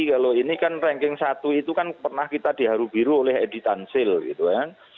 kalau ini kan ranking satu itu kan pernah kita diharu biru oleh edi tansil gitu kan